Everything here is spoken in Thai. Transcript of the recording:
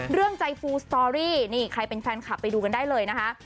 เรื่องใจฟูสตอรี่นี่ใครเป็นแฟนคลับไปดูกันได้เลยนะคะ